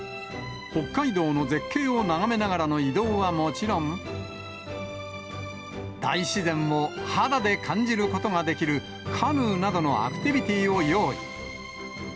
北海道の絶景を眺めながらの移動はもちろん、大自然を肌で感じることができる、カヌーなどのアクティビティーを用意。